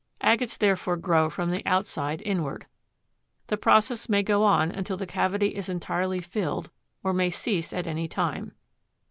Agates, therefore, grow from the outside inward. The process may go on until the cavity is entirely filled or may cease at any time.